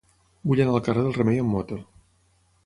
Vull anar al carrer del Remei amb moto.